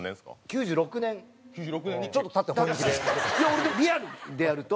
俺リアルでやると。